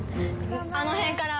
あの辺から。